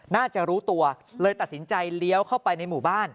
น่าจะรู้ตัวเลยตัดสินใจเลี้ยวเข้าไปในหมู่บ้าน